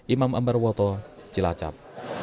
imam ambar woto cilacap